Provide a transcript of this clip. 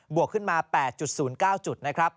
วกขึ้นมา๘๐๙จุดนะครับ